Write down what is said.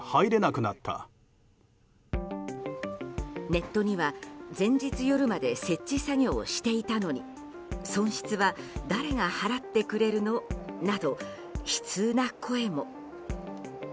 ネットには前日夜まで設置作業をしていたのに損失は誰が払ってくれるの？など悲痛な声も。